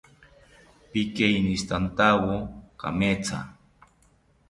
Pikeinistantawo kametha